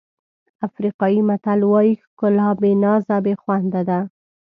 افریقایي متل وایي ښکلا بې نازه بې خونده ده.